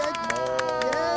イエーイ！